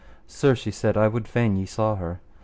Sir, she said, I would fain ye saw her.